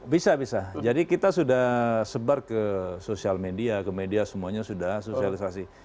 bisa bisa jadi kita sudah sebar ke sosial media ke media semuanya sudah sosialisasi